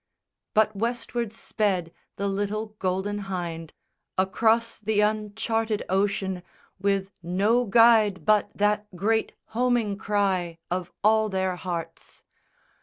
But Westward sped the little Golden Hynde Across the uncharted ocean, with no guide But that great homing cry of all their hearts.